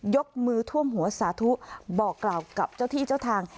ยกมือท่วมหัวสาธุบอกกล่าวกับเจ้าที่เจ้าทาง